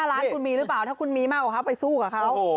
ล้านคุณมีหรือเปล่าถ้าคุณมีมากกว่าเขาไปสู้กับเขา